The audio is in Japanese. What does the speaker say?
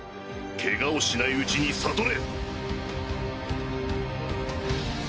ケガをしないうちに悟れ！